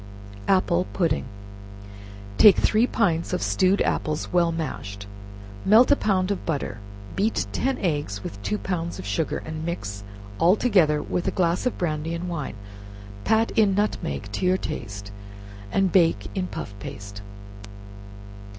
Apple Pudding. Take three pints of stewed apples, well mashed, melt a pound of butter, beat ten eggs with two pounds of sugar, and mix all together with a glass of brandy and wine; pat in nutmeg to your taste, and bake in puff paste.